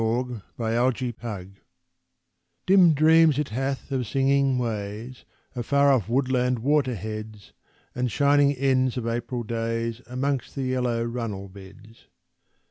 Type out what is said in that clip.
Moss on a Wall Dim dreams it hath of singing ways, Of far off woodland water heads, And shining ends of April days Amongst the yellow runnel beds.